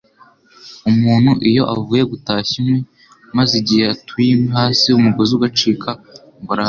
Umuntu iyo avuye gutashya inkwi, maze igihe atuye inkwi hasi umugozi ugacika, ngo arahaga